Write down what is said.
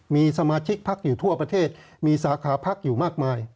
มีสมาชิกพักอยู่ทั่วประเทศมีสาขาพักอยู่มากมาย